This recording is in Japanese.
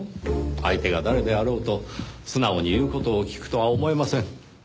相手が誰であろうと素直に言う事を聞くとは思えません。